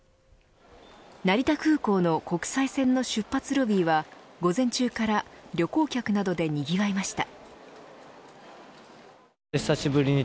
成田空港の国際線の出発ロビーは午前中から旅行客などでにぎわいました。